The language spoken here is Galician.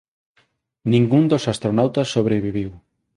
Ningún dos astronautas sobreviviu.